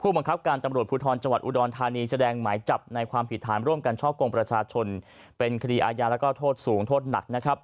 ผู้บังคับการตำรวจภูทรจังหวัดอุดรธานีแสดงหมายจับในความผิดฐานร่วมกันช่อกงประชาชนเป็นคดีอาญาแล้วก็โทษสูงโทษหนักนะครับ